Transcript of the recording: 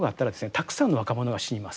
たくさんの若者が死にます。